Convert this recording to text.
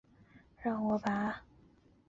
石隙掠蛛为平腹蛛科掠蛛属的动物。